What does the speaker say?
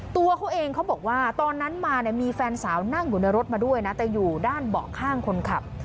ตัวเขาเองเขาบอกว่าตอนนั้นมาเนี่ยมีแฟนสาวนั่งอยู่ในรถมาด้วยนะแต่อยู่ด้านเบาะข้างคนขับ